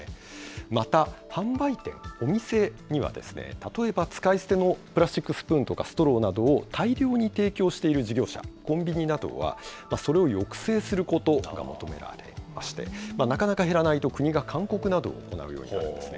また販売店、お店には、例えば使い捨てのプラスチックスプーンとかストローなどを大量に提供している事業者、コンビニなどは、それを抑制することが求められまして、なかなか減らないと、国が勧告などを行うようになるんですね。